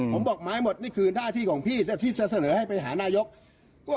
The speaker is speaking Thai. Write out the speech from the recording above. ผมบอกไม้หมดนี่คือหน้าที่ของพี่ที่จะเสนอให้ไปหานายก